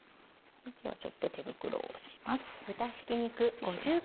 ちょっと手袋をします。